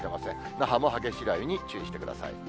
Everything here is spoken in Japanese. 那覇も激しい雨に注意してください。